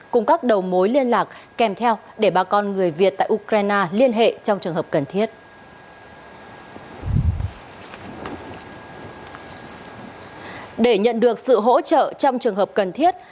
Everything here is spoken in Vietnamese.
cung cấp đầu mối liên lạc kèm theo để bà con người việt tại ukraine liên hệ trong trường hợp cần thiết